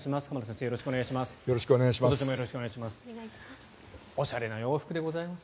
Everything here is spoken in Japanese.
よろしくお願いします。